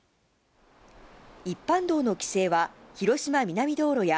一般道の規制は広島南道路や、